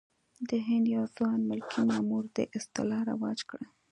د هند یو ځوان ملکي مامور دا اصطلاح رواج کړه.